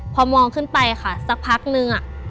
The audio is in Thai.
พอมองขึ้นไปค่ะสักพักนึง